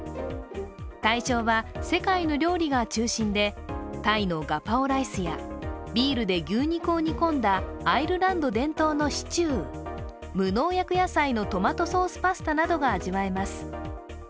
対象は世界の料理が中心で、タイのガパオライスやビールで牛肉を煮込んだアイルランド伝統のシチュー、無農薬野菜のトマトソースパスタなどが味わえます。